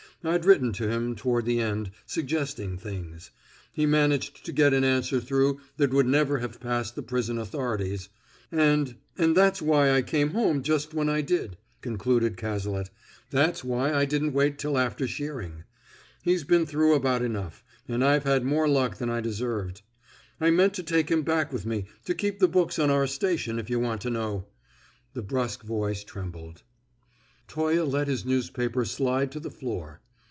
I'd written to him toward the end suggesting things. He managed to get an answer through that would never have passed the prison authorities. And and that's why I came home just when I did," concluded Cazalet; "that's why I didn't wait till after shearing. He's been through about enough, and I've had more luck than I deserved. I meant to take him back with me, to keep the books on our station, if you want to know!" The brusk voice trembled. Toye let his newspaper slide to the floor.